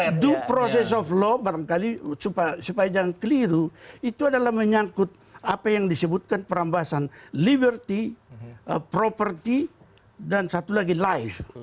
nah do process of law barangkali supaya jangan keliru itu adalah menyangkut apa yang disebutkan perambasan liberty property dan satu lagi life